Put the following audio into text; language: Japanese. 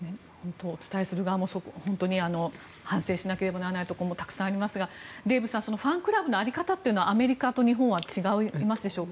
お伝えする側も反省しなければならないことがたくさんありますがデーブさんファンクラブの在り方というのはアメリカと日本は違いますでしょうか？